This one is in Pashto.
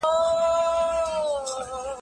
د رنجو خال ته موسک شي